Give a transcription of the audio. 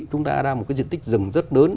chúng ta đã ra một cái diện tích rừng rất lớn